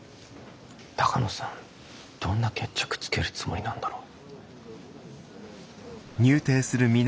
鷹野さんどんな決着つけるつもりなんだろう。